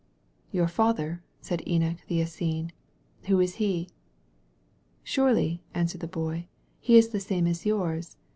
"Your Father!" said Enoch the Essene. "Who is He?" "Surely," answered the Boy, "He is the same as yours.